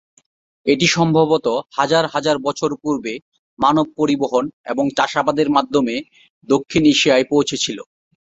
এটি সম্ভবত হাজার হাজার বছর পূর্বে মানব পরিবহন এবং চাষাবাদের মাধ্যমে দক্ষিণ এশিয়ায় পৌঁছেছিল।